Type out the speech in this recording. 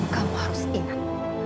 kamu harus ingat